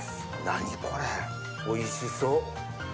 何これおいしそう。